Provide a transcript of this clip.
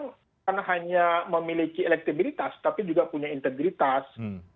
bukan hanya memiliki elektabilitas tapi juga punya integritas